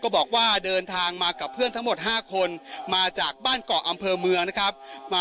บอกว่าเดินทางมากับเพื่อนทั้งหมด๕คนมาจากบ้านเกาะอำเภอเมืองนะครับ